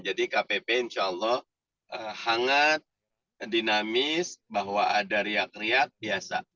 jadi kpp insya allah hangat dinamis bahwa ada riak riak biasa